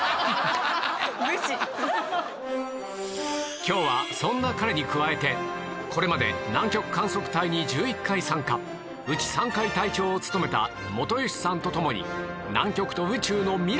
今日はそんな彼に加えてこれまで南極観測隊に１１回参加うち３回隊長を務めた本吉さんと共に南極と宇宙の未来を語る！